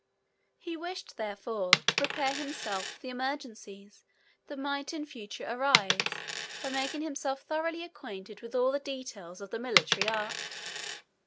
He wished, therefore, to prepare himself for the emergencies that might in future arise by making himself thoroughly acquainted with all the details of the military art.